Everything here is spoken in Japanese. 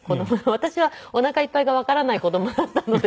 私はおなかいっぱいがわからない子供だったので。